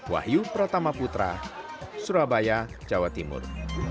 wahyu pratama putra surabaya jawa timur